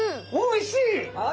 おいしい！